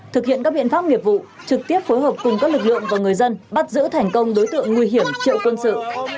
thực hiện các biện pháp nghiệp vụ trực tiếp phối hợp cùng các lực lượng và người dân bắt giữ thành công đối tượng nguy hiểm triệu quân sự